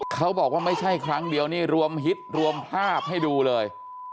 เขาบอกว่าไม่ใช่ครั้งเดียวนี่รวมฮิตรวมภาพให้ดูเลย